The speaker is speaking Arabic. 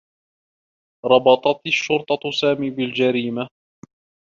ربطت الشّرطة سامي بالجريمة.